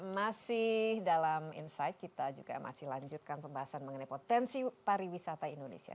masih dalam insight kita juga masih lanjutkan pembahasan mengenai potensi pariwisata indonesia